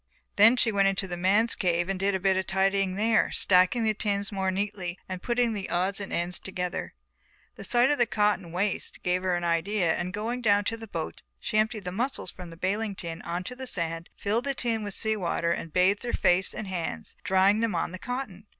Then she went into the men's cave and did a bit of tidying there, stacking the tins more neatly and putting the odds and ends together. The sight of the cotton waste gave her an idea and going down to the boat she emptied the mussels from the baling tin on to the sand, filled the tin with sea water and bathed her face and hands, drying them on the cotton.